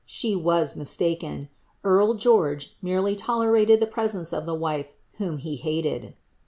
She was niislaken ; earl George nicrelv loleraieil iht presence of the wife whom he haled.